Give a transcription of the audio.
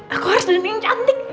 aku harus dunia yang cantik